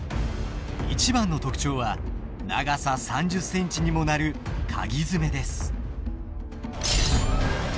一番の特徴は長さ３０センチにもなるかぎ爪です。